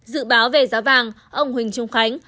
dự báo về giá vàng ông huỳnh trung khánh